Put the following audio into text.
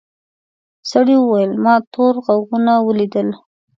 سړي وویل ما تور غوږونه ولیدل.